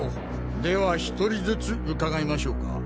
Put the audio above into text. では１人ずつ伺いましょうか。